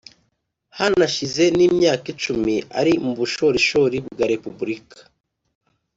hanashize n' imyaka icumi ari mu bushorishori bwa repubulika.